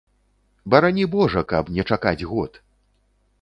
Барані божа, каб не чакаць год.